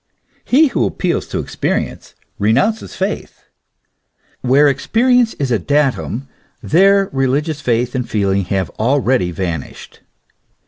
He who appeals to experience renounces faith. Where experience is a datum, there religious faith and feeling have already vanished.